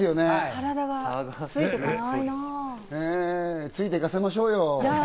体、ついていかせましょうよ。